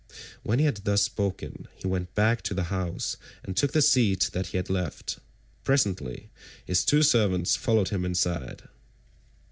When he had thus spoken, he went back to the house and took the seat that he had left. Presently, his two servants followed him inside.